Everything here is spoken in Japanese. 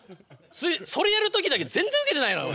それやる時だけ全然ウケてないのよ。